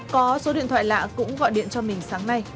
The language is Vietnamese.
có số điện thoại lạ cũng gọi điện cho mình sáng nay